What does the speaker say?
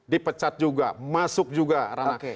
dipecat juga masuk juga ranah